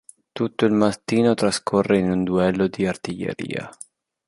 Tutto il mattino trascorse in un duello di artiglieria.